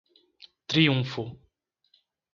Triunfo